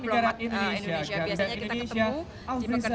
karena saat ini indonesia sedang banyak sekali berupaya untuk membantu